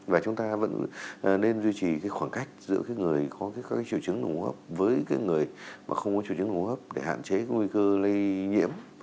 và chúng ta vẫn nên duy trì cái khoảng cách giữa cái người có cái triệu chứng đường hô hấp với cái người mà không có triệu chứng đường hô hấp để hạn chế cái nguy cơ lây nhiễm